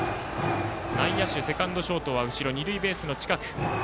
内野手、セカンド、ショートは二塁ベースの近く。